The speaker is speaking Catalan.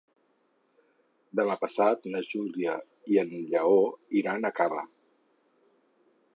Demà passat na Júlia i en Lleó iran a Cava.